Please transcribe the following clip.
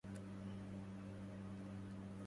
قول لابني وقد قال الطبيب له